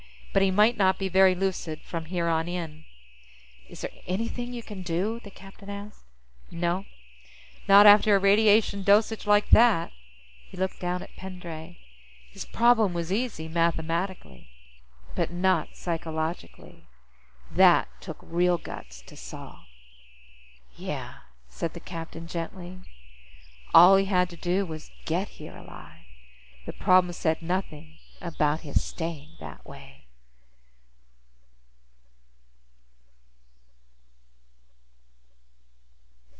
But he might not be very lucid from here on in." "Is there anything you can do?" the captain asked. "No. Not after a radiation dosage like that." He looked down at Pendray. "His problem was easy, mathematically. But not psychologically. That took real guts to solve." "Yeah," said the captain gently. "All he had to do was get here alive. The problem said nothing about his staying that way."